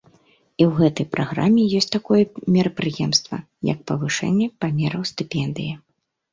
І ў гэтай праграме ёсць такое мерапрыемства, як павышэнне памераў стыпендыі.